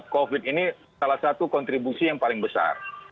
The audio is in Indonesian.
covid ini salah satu kontribusi yang paling besar